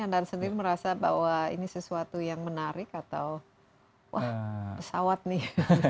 anda sendiri merasa bahwa ini sesuatu yang menarik atau wah pesawat nih